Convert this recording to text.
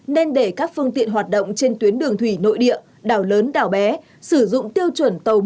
nên để các phương tiện hoạt động trên tuyến đường thủy nội địa đảo lớn đảo bé sử dụng tiêu chuẩn tàu